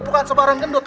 bukan sembarang gendut